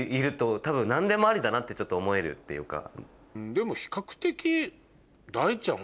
でも比較的。